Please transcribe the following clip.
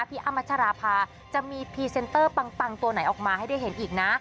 อ้ำมัชราภาจะมีพรีเซนเตอร์ปังตัวไหนออกมาให้ได้เห็นอีกนะ